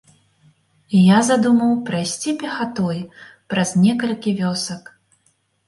І я задумаў прайсці пехатой праз некалькі вёсак.